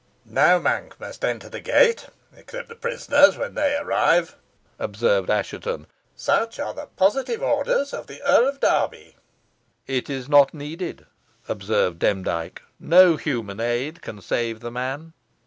"No monk must enter the gate except the prisoners when they arrive," observed Assheton; "such are the positive orders of the Earl of Derby." "It is not needed," observed Demdike, "no human aid can save the man."